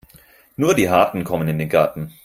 Nur die Harten kommen in den Garten.